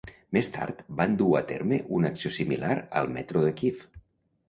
Més tard van dur a terme una acció similar al metro de Kíev.